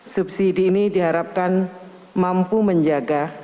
subsidi ini diharapkan mampu menjaga